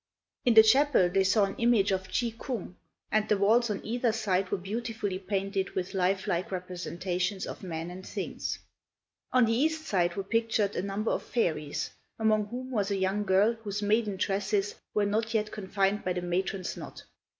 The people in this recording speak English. In the chapel they saw an image of Chih Kung, and the walls on either side were beautifully painted with life like representations of men and things. On the east side were pictured a number of fairies, among whom was a young girl whose maiden tresses were not yet confined by the matron's knot.